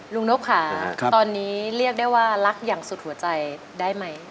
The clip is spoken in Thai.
นกค่ะตอนนี้เรียกได้ว่ารักอย่างสุดหัวใจได้ไหม